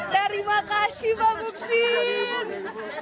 terima kasih mbak buksin